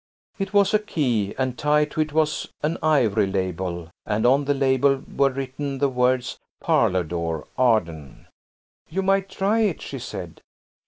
It was a key. And tied to it was an ivory label, and on the label were written the words, "Parlour door, Arden." "You might try it," she said.